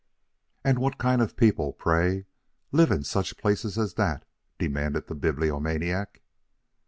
"And what kind of people, pray, live in such places as that?" demanded the Bibliomaniac.